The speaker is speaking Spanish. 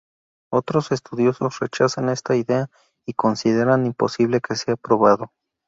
Otros estudiosos rechazan esta idea y consideran imposible que sea probado.